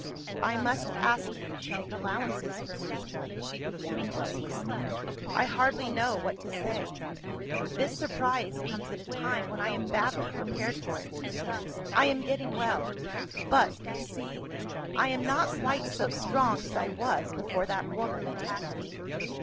"I must ask you to make allowances for me," she began, abruptly; "I hardly know what to say. This surprise comes at a time when I am badly prepared for it. I am getting well; but, you see, I am not quite so strong as I was before that woman attacked me.